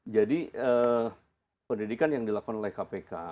jadi pendidikan yang dilakukan oleh kpk